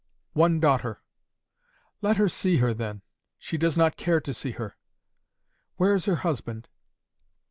"'One daughter.' "'Let her see her, then.' "'She does not care to see her.' "'Where is her husband?